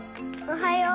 おはよう。